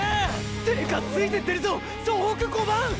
てかついてってるぞ総北５番！